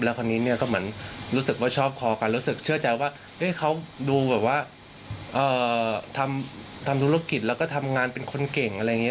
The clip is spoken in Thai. คราวนี้เนี่ยก็เหมือนรู้สึกว่าชอบคอกันรู้สึกเชื่อใจว่าเขาดูแบบว่าทำธุรกิจแล้วก็ทำงานเป็นคนเก่งอะไรอย่างนี้